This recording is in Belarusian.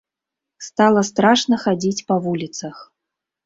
Стала страшна хадзіць па вуліцах!